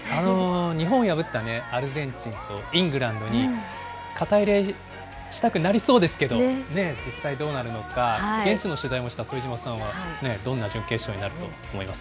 日本を破ったアルゼンチンとイングランドに肩入れしたくなりそうですけど、実際どうなるのか、現地の取材もした副島さんは、どんな準決勝になると思います？